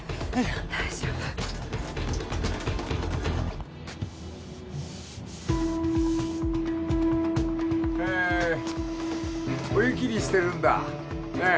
大丈夫へえお湯切りしてるんだねえ